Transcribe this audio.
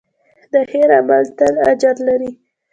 د خیر عمل تل اجر لري.